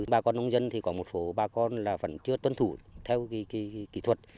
bà con nông dân thì có một số bà con là vẫn chưa tuân thủ theo kỹ thuật